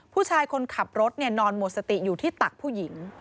ผู้ชายคนขับรถนอนหมดสติอยู่ที่ตักผู้หญิง